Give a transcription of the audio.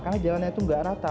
karena jalannya itu nggak rata